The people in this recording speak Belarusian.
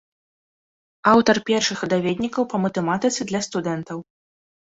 Аўтар першых даведнікаў па матэматыцы для студэнтаў.